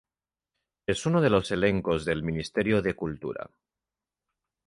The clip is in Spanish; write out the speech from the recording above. Es uno de los elencos del Ministerio de Cultura.